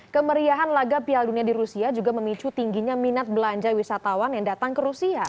kemeriahan laga piala dunia di rusia juga memicu tingginya minat belanja wisatawan yang datang ke rusia